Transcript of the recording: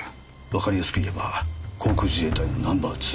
わかりやすく言えば航空自衛隊のナンバー２。